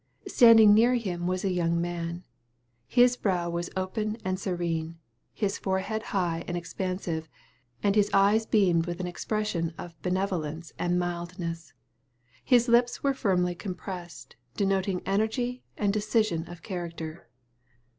Standing near him was a young man. His brow was open and serene; his forehead high and expansive; and his eyes beamed with an expression of benevolence and mildness. His lips were firmly compressed, denoting energy and decision of character.